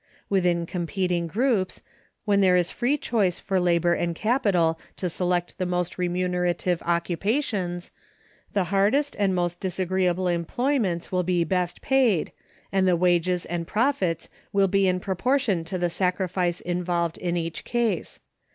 Within competing groups, where there is free choice for labor and capital to select the most remunerative occupations, the hardest and most disagreeable employments will be best paid, and the wages and profits will be in proportion to the sacrifice involved in each case.